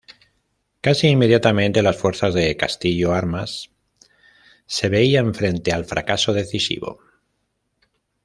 Casi inmediatamente, las fuerzas de Castillo Armas se veían frente al fracaso decisivo.